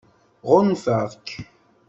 Ɣunfaɣ-k.